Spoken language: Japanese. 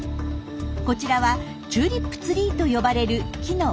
こちらはチューリップ・ツリーと呼ばれる木の若葉。